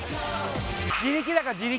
自力だから自力。